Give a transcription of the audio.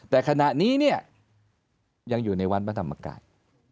แต่ขณะนี้เนี่ยยังอยู่ในวัดพระธรรมกาย